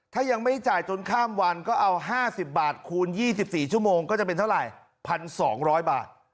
ถ้ายังไม่จ่ายจนข้ามวันก็เอา๕๐บาทคูณ๒๔ชั่วโมงก็จะเป็นเท่าไหร่๑๒๐๐บาท